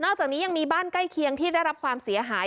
จากนี้ยังมีบ้านใกล้เคียงที่ได้รับความเสียหาย